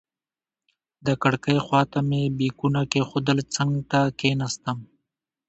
د کړکۍ خواته مې بیکونه کېښودل، څنګ ته کېناستم.